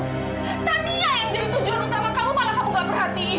tania yang jadi tujuan utama kamu malah kamu gak perhatiin